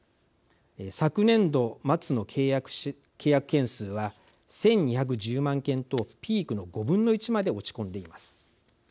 昨年度末の契約件数は１，２１０万件とピークの５分の１まで落ち込んでいます。